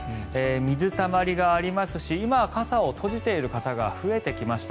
水たまりがありますし今は傘を閉じてる方が増えてきました。